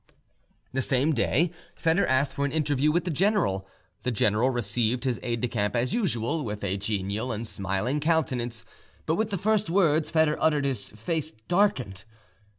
The same day Foedor asked for an interview with the general. The general received his aide de camp as usual with a genial and smiling countenance, but with the first words Foedor uttered his face darkened.